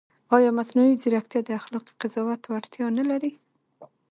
ایا مصنوعي ځیرکتیا د اخلاقي قضاوت وړتیا نه لري؟